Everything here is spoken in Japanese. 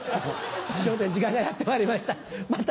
『笑点』時間がやってまいりました